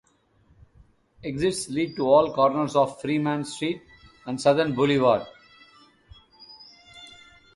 Exits lead to all corners of Freeman Street and Southern Boulevard.